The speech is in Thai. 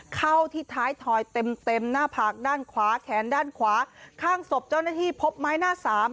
เข้าที่ท้ายถอยเต็มเต็มหน้าผากด้านขวาแขนด้านขวาข้างศพเจ้าหน้าที่พบไม้หน้าสาม